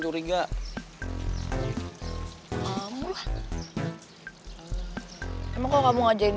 primula rumah dia kan